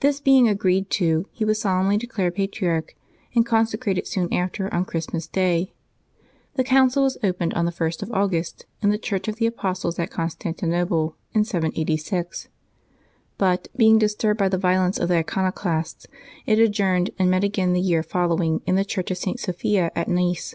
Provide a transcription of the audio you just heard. This being agreed to, he was solemnly declared patriarch, and consecrated soon after, on Christmas Day. The council was opened on the 1st of August, in the Church of the Apostles at Constanti nople, in 786 ; but, being disturbed by the violences of the Iconoclasts, it adjourned, and met again the year following Febbuaby 26] LIVES OF THE SAINTS 87 in the Church of St. Sophia at Nice.